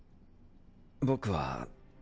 僕は。